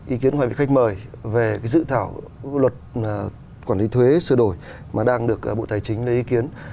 ý kiến hai vị khách mời về dự thảo luật quản lý thuế sửa đổi mà đang được bộ tài chính lấy ý kiến